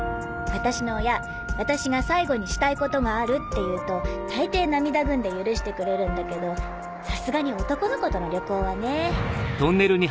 私の親私が最後にしたいことがあるって言うと大抵涙ぐんで許してくれるんだけどさすがに男の子との旅行はねぇ。